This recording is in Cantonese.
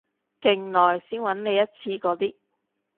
勁耐先搵你一次嗰啲